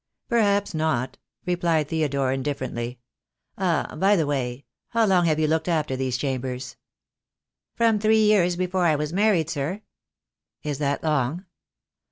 "Perhaps not," replied Theodore, indifferently. "Ah! by the way, how long have you looked after these chambers?" "From three years before I was married, sir." "Is that long?